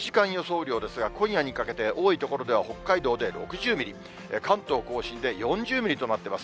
雨量ですが、今夜にかけて、多い所では北海道で６０ミリ、関東甲信で４０ミリとなっています。